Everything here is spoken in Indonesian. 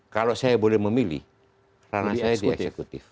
kalau saya boleh memilih ranah saya di eksekutif